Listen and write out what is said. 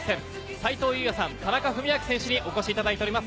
斉藤祐也さん、田中史朗選手にお越しいただいております。